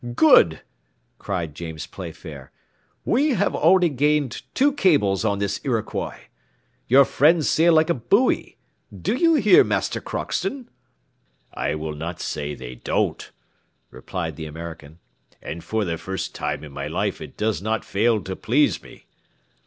"Good!" cried James Playfair, "we have already gained two cables on this Iroquois. Your friends sail like a buoy; do you hear, Master Crockston?" "I will not say they don't," replied the American, "and for the first time in my life it does not fail to please me."